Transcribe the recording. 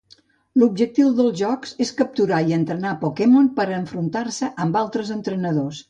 L'objectiu dels jocs és capturar i entrenar Pokémon per a enfrontar-se amb altres entrenadors.